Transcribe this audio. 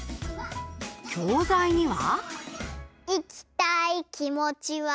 教材には。